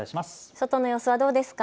外の様子はどうですか。